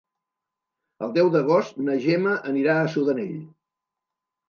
El deu d'agost na Gemma anirà a Sudanell.